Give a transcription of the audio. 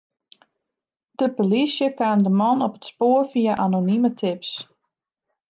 De polysje kaam de man op it spoar fia anonime tips.